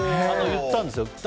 言ったんですよ。